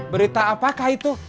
berita apakah itu